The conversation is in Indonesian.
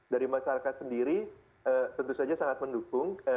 dari masyarakat sendiri tentu saja sangat mendukung